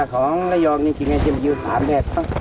ของระยองนี่จริงก็จะมีอยู่๓แบบ